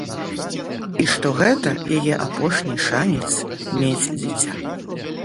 І што гэта яе апошні шанец мець дзіця.